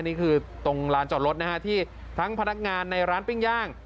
นี่คือตรงลานจอดรถนะฮะที่ทั้งพนักงานในร้านปิ้งย่าง